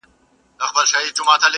که یې لمبو دي ځالګۍ سوځلي!!